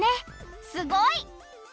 すごい！